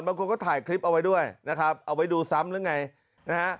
บางคนก็ถ่ายคลิปเอาไว้ด้วยนะครับเอาไว้ดูซ้ำหรือไงนะฮะ